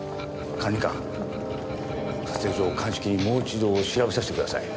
管理官撮影所を鑑識にもう一度調べさせてください。